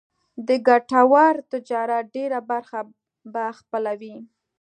د ګټور تجارت ډېره برخه به خپلوي.